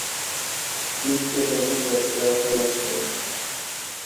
لیک یې د هند وایسرا ته واستاوه.